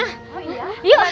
coba tuh cuta